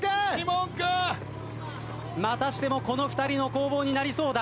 またしてもこの２人の攻防になりそうだ。